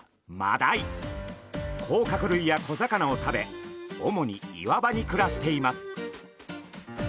甲殻類や小魚を食べ主に岩場に暮らしています。